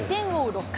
６回。